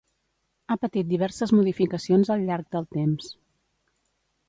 Ha patit diverses modificacions al llarg del temps.